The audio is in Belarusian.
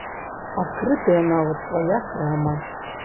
Адкрытая нават свая крама!